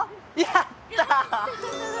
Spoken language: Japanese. やったー。